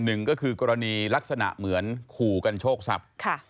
หนึ่งก็คือกรณีลักษณะเหมือนขู่กันโชคทรัพย์